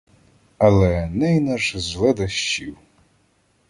Але Еней наш зледащів